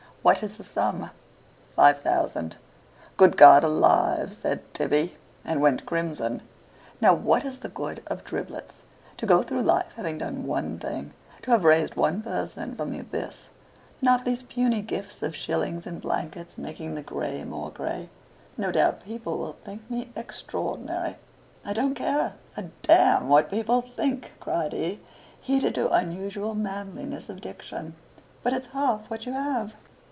"What is the sum?" "Five thousand." "Good God alive!" said Tibby, and went crimson. "Now, what is the good of driblets? To go through life having done one thing to have raised one person from the abyss: not these puny gifts of shillings and blankets making the grey more grey. No doubt people will think me extraordinary." "I don't care a damn what people think!" cried he, heated to unusual manliness of diction. "But it's half what you have."